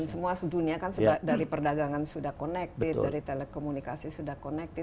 dan semua dunia kan dari perdagangan sudah connected dari telekomunikasi sudah connected